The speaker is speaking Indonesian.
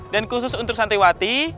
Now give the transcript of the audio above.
dan khusus untuk santriwati